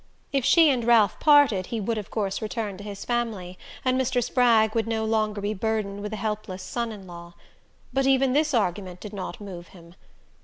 If she and Ralph parted he would of course return to his family, and Mr. Spragg would no longer be burdened with a helpless son in law. But even this argument did not move him.